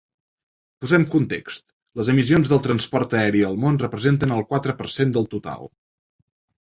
Posem context: les emissions del transport aeri al món representen el quatre per cent del total.